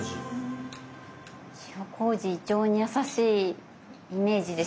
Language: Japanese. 塩麹胃腸に優しいイメージです。